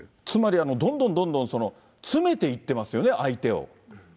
つまりどんどんどんどん詰めていってますよね、相手を。